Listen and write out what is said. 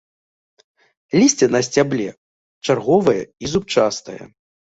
Лісце на сцябле чарговае і зубчастае.